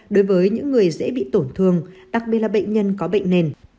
đối với những người dễ bị tổn thương đặc biệt là bệnh nhân có bệnh nền